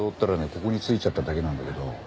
ここに着いちゃっただけなんだけど。